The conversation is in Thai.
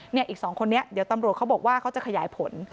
อีก๒คนนี้เดี๋ยวตำรวจเขาบอกว่าเขาจะขยายผล